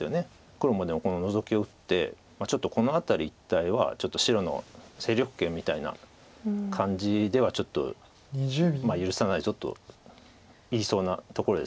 黒もでもこのノゾキを打ってちょっとこの辺り一帯は白の勢力圏みたいな感じではちょっと許さないぞと言いそうなところですよね。